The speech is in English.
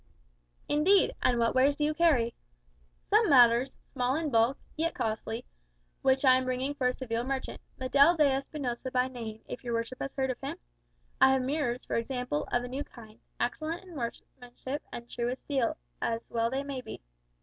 "Indeed! And what wares do you carry?" "Some matters, small in bulk, yet costly, which I am bringing for a Seville merchant Medel de Espinosa by name, if your worship has heard of him? I have mirrors, for example, of a new kind; excellent in workmanship, and true as steel, as well they may be."